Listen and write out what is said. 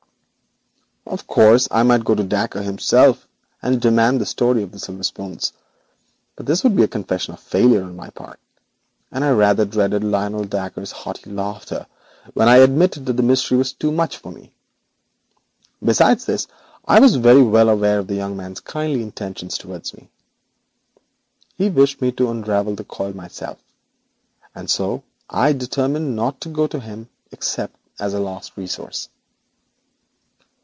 Of course, I might go to Dacre himself and demand the story of the silver spoons, but this would be a confession of failure on my part, and I rather dreaded Lionel Dacre's hearty laughter when I admitted that the mystery was too much for me. Besides this I was very well aware of the young man's kindly intentions towards me. He wished me to unravel the coil myself, and so I determined not to go to him except as a last resource.